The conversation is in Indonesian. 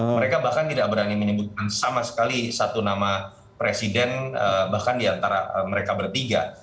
mereka bahkan tidak berani menyebutkan sama sekali satu nama presiden bahkan diantara mereka bertiga